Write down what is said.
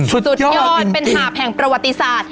สุดยอดเป็นหาบแห่งประวัติศาสตร์